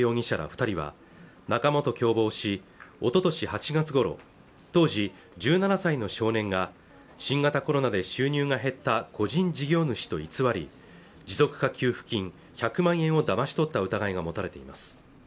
二人は仲間と共謀しおととし８月ごろ当時１７歳の少年が新型コロナで収入が減った個人事業主と偽り持続化給付金１００万円をだまし取った疑いが持たれています